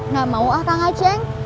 nah mau ah kang aceng